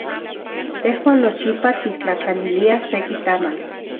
Tejuan nochipa tiktlajtlaniliaj seki tamali.